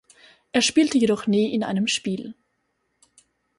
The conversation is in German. Er spielte jedoch nie in einem Spiel.